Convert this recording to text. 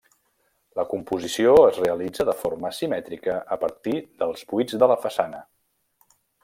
La composició es realitza de forma simètrica a partir dels buits de la façana.